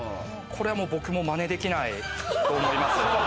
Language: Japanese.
これはもう僕もマネできないと思います。